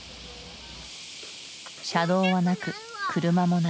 車道はなく車もない。